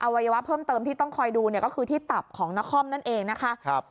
วัยวะเพิ่มเติมที่ต้องคอยดูเนี่ยก็คือที่ตับของนครนั่นเองนะคะ